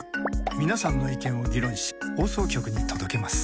皆さんの意見を議論し放送局に届けます。